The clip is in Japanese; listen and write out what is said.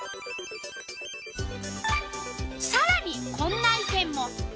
さらにこんな意見も。